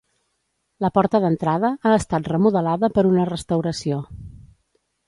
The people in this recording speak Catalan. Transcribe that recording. La porta d'entrada ha estat remodelada per una restauració.